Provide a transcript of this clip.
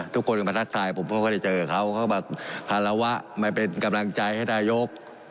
ทุกคนมาทักทายผมก็ไม่ได้เจอเขาเขาก็บอกฮาราวะมาเป็นกำลังใจให้รายยก